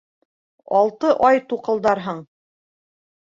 Алты ай туҡылдарһың.